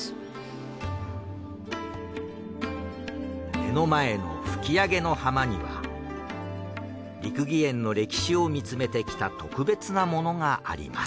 目の前の吹上浜には六義園の歴史を見つめてきた特別なものがあります。